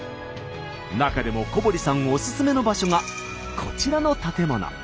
中でも小堀さんオススメの場所がこちらの建物。